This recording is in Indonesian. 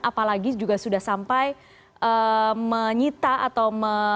apalagi juga sudah sampai menyita atau